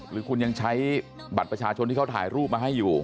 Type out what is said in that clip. หรือคุณยังใช้บัตรประชาชนที่เขาถ่ายรูปมาให้อยู่